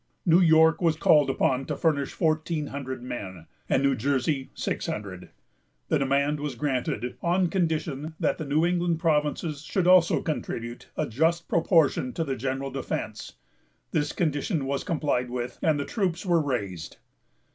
New York was called upon to furnish fourteen hundred men, and New Jersey six hundred. The demand was granted, on condition that the New England provinces should also contribute a just proportion to the general defence. This condition was complied with, and the troops were raised.